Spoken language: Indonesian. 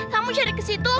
kamu cari kesitu